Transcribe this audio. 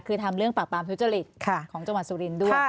คือทำเรื่องปราบปรามทุจริตของจังหวัดสุรินทร์ด้วย